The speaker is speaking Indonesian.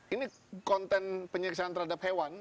ini konten penyiksaan terhadap hewan